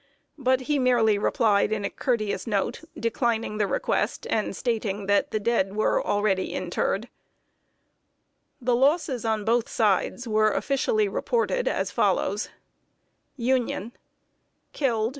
But he merely replied in a courteous note, declining the request, and stating that the dead were already interred. [Sidenote: THE LOSSES ON BOTH SIDES.] The losses on both sides were officially reported as follows: Killed.